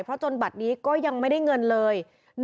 เพราะจนบัตรนี้ก็ยังไม่ได้เงินเลย